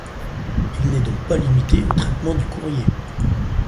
Il n'est donc pas limité au traitement du courrier.